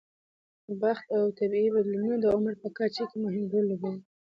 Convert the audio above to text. بخت او طبیعي بدلونونه د عمر په کچه کې مهم رول لوبوي.